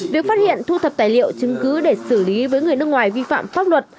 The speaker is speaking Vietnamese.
việc phát hiện thu thập tài liệu chứng cứ để xử lý với người nước ngoài vi phạm pháp luật